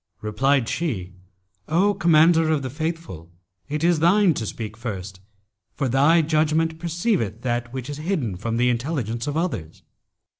Replied she, 'O Commander of the Faithful, it is thine to speak first, for thy judgment perceiveth that which is hidden from the intelligence of others.'